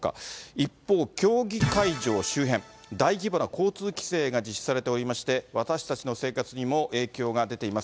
一方、競技会場周辺、大規模な交通規制が実施されておりまして、私たちの生活にも影響が出ています。